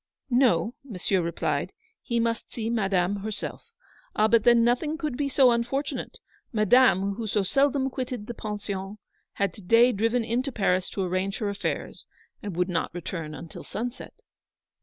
No, Monsieur replied, he must see Madame herself. Ah, but then nothing could be so unfor tunate. Madame, who so seldom quitted the Pension, had to day driven into Paris to arrange her affairs, and would not return until sunset.